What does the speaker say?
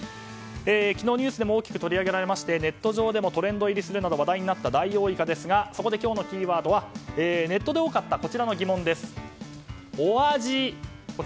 昨日ニュースでも大きく取り上げられましてネット上でトレンド入りするなど話題となったダイオウイカですが今日のキーワードはネットで多かったこちらの疑問です。